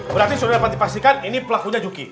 berarti sudah dapat dipastikan ini pelakunya juki